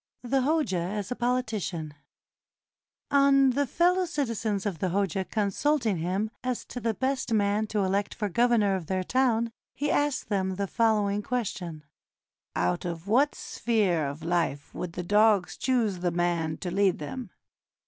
THE HOJA AS A POLITICIAN On the fellow citizens of the Hoja consulting him as to the best man to elect for governor of their town, he asked them the following question : "Out of what sphere of life would the dogs choose the man to lead them